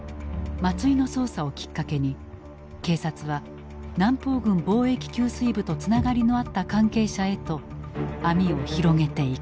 松井の捜査をきっかけに警察は南方軍防疫給水部とつながりのあった関係者へと網を広げていく。